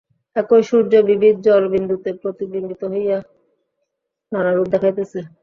একই সূর্য বিবিধ জলবিন্দুতে প্রতিবিম্বিত হইয়া নানারূপ দেখাইতেছে।